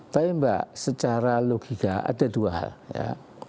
tapi mbak secara logika ada dua hal ya